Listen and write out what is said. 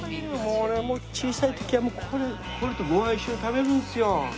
俺小さい時はこれとご飯一緒に食べるんですよ。